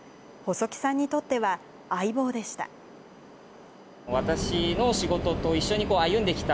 細木さんにとっては相棒でした。